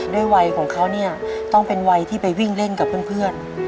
ด้วยวัยของเขาเนี่ยต้องเป็นวัยที่ไปวิ่งเล่นกับเพื่อน